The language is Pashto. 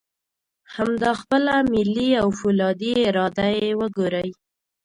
همدا خپله ملي او فولادي اراده یې وګورئ.